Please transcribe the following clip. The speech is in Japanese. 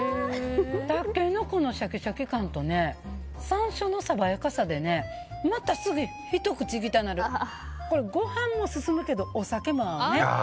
たけのこのシャキシャキ感と山椒の爽やかさでまたすぐにひと口いきたなるこれ、ご飯も進むけどお酒も合うね。